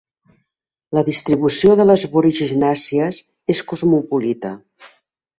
La distribució de les boraginàcies és cosmopolita.